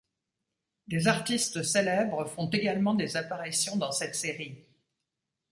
Des artistes célèbres font également des apparitions dans cette série.